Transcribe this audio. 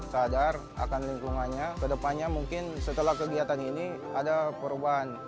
sadar akan lingkungannya kedepannya mungkin setelah kegiatan ini ada perubahan